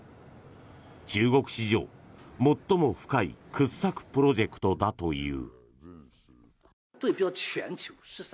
中国史上最も深い掘削プロジェクトだという。